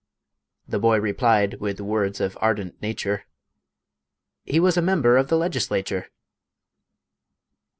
The boy replied, with words of ardent nature, "He was a member of the legislature."